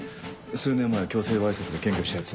数年前強制わいせつで検挙したヤツ。